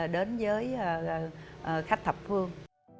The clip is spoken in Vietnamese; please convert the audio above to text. đến với khách thập phương